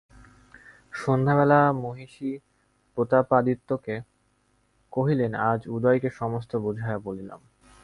সন্ধ্যাবেলা মহিষী প্রতাপাদিত্যকে কহিলেন, আজ উদয়কে সমস্ত বুঝাইয়া বলিলাম।